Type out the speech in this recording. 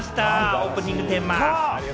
オープニングテーマ。